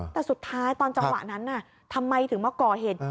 แต่สุดท้ายตอนจังหวะนั้นทำไมถึงมาก่อเหตุ